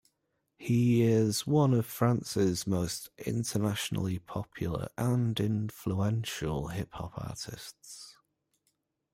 He is one of France's most internationally popular and influential hip hop artists.